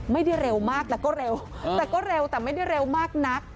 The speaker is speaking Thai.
ไม่ได้เร็วมากแต่ก็เร็วแต่ก็เร็วแต่ไม่ได้เร็วมากนัก